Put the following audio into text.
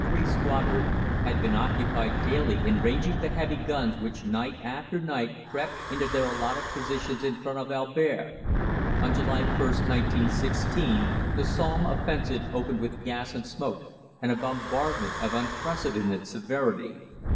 3 Squadron had been occupied daily in ranging the heavy guns which night after night crept into their allotted positions in front of Albert. On July 1st 1916 the Somme offensive opened with gas and smoke and a bombardment of unprecedented severity.